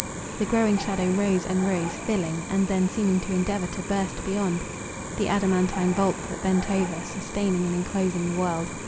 The growing shadow rose and rose, filling, and then seeming to endeavour to burst beyond, the adamantine vault that bent over, sustaining and enclosing the world.